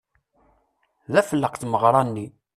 D afelleq tmeɣṛa-nni.